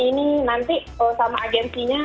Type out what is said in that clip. ini nanti sama agensinya